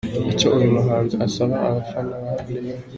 Icyo uyu muhanzi asaba abafana ba Rayon ni.